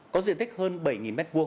có diện tích hơn bảy m hai